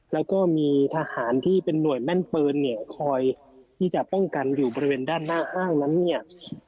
แล้วก็มีทหารที่เป็นหน่วยแม่นปืนเนี่ยคอยที่จะป้องกันอยู่บริเวณด้านหน้าอ้างนั้นเนี่ย